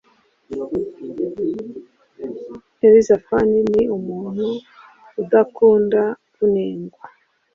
Elisaphan ni umuntu udakunda kunengwa